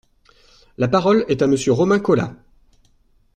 La parole est à Monsieur Romain Colas.